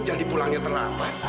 jadi pulangnya terlambat